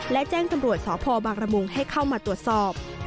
และแจ้งตำรวจสพบางระมุงให้เข้ามาตรวจสอบ